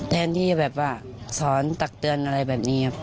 แทนที่แบบว่าสอนตักเตือนอะไรแบบนี้ครับ